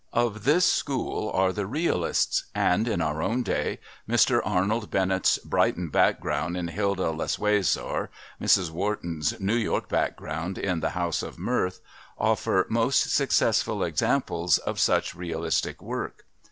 Of this school are the realists and, in our own day, Mr Arnold Bennett's Brighton background in Hilda Lessways or Mrs Wharton's New York background in The House of Mirth offer most successful examples of such realistic work.